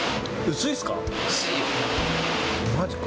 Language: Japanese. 薄いですか？